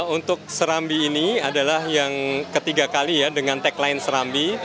untuk serambi ini adalah yang ketiga kali ya dengan tagline serambi